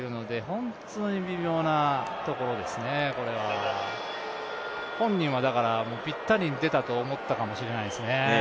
本当に微妙なところですね、これは本人はぴったりに出たと思ったかもしれないですね。